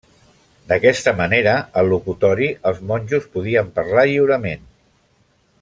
D'aquesta manera, al locutori, els monjos podien parlar lliurement.